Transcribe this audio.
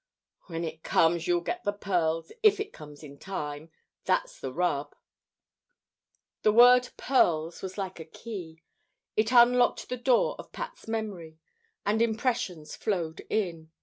"When it comes, you'll get the pearls: if it comes in time. That's the rub!" The word "pearls" was like a key. It unlocked the door of Pat's memory, and impressions flowed in.